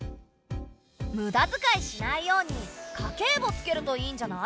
むだづかいしないように家計簿つけるといいんじゃない？